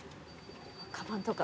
かばんとか。